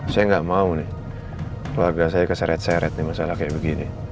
saya nggak mau nih keluarga saya keseret seret nih masalah kayak begini